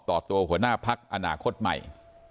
ต่อตัวหัวหน้าพักอนาคตใหม่